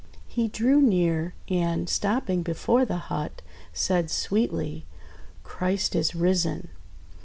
He drew near, and, stopping before the hut, said sweetly: — "Christ is risen!"